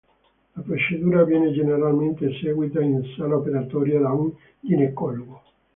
La procedura viene generalmente eseguita in sala operatoria da un ginecologo.